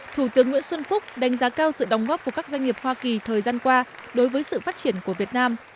thủ tướng nguyễn xuân phúc đánh giá cao sự đóng góp của các doanh nghiệp hoa kỳ thời gian qua đối với sự phát triển của việt nam